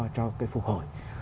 cho cái phục hồi